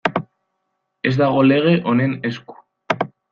Ez dago lege honen esku.